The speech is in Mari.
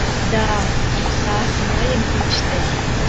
Да, окса — мыйын кидыште.